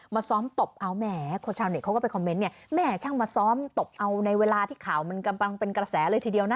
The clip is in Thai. ซ้อมตบเอาแหมคนชาวเน็ตเขาก็ไปคอมเมนต์เนี่ยแม่ช่างมาซ้อมตบเอาในเวลาที่ข่าวมันกำลังเป็นกระแสเลยทีเดียวนะ